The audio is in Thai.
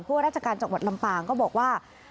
ว่าราชการจังหวัดลำปางก็บอกว่า